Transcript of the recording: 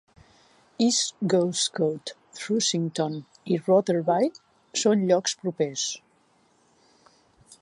East Goscote, Thrussington i Rotherby són llocs propers.